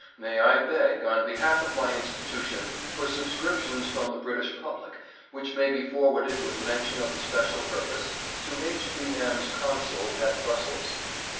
May I beg, on behalf of my institution, for subscriptions from the British public, which may be forwarded with mention of the special purpose, to H.B.M.'s Consul at Brussels?